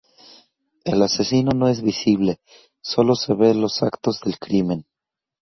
El asesino no es visible, solo se ve los actos del crimen.